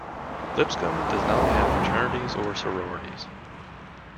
Lipscomb does not have fraternities and sororities.